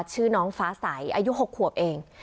ชื่อน้องฟ้าใสอายุ๖ขวบเอง